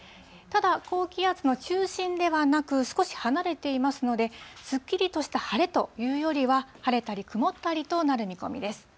ただ、高気圧の中心ではなく、少し離れていますので、すっきりとした晴れというよりは、晴れたり曇ったりとなる見込みです。